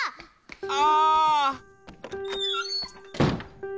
あ。